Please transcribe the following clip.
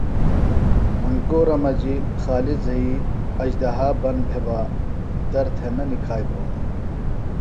انگُورہ مجیۡ خالیۡ زھئیۡ اژدھا بند بھےۡ بہ در تھےۡ نہ نِکھائیۡ بُھو دےۡ